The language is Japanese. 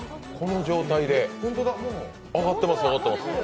この状態で火が上がってます。